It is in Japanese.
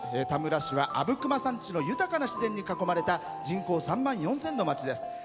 田村市は阿武隈山地の豊かな自然に囲まれた人口３万４０００の町です。